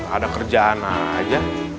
ada kerjaan aja